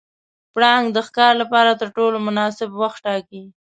پړانګ د ښکار لپاره تر ټولو مناسب وخت ټاکي.